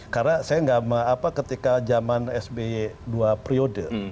karena saya enggak mau ketika zaman sby dua periode